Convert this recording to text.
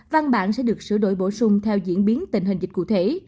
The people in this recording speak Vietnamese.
văn bản sẽ được sửa đổi bổ sung theo diễn biến tình hình dịch cụ thể